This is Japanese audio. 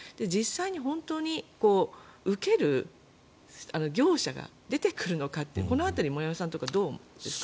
実際に本当に受ける業者が出てくるのかってこの辺り森山さんとかどうですか？